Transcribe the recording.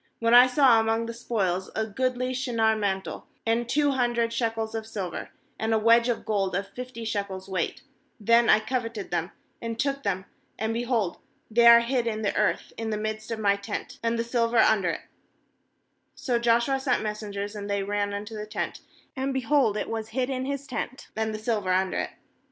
a"Wlien I saw among the spoil a goodly aShinar mantle, and two hundred shekels of silver, and a wedge of gold of fifty shekels weight, then I coveted them, and took them; and, behold, they are hid in the earth in the midst of my tent, and the silver under it/ ^So Joshua sent messengers, and they ran unto the tent; and, be hold, it was hid in his tent, and the silver under it.